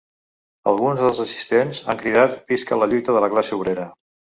Alguns dels assistents han cridat visca la lluita de la classe obrera.